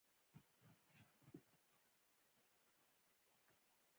لایکي د تفریح لپاره خوندوره اپلیکیشن دی.